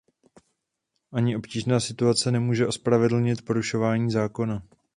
Ani obtížná situace nemůže ospravedlnit porušování zákona.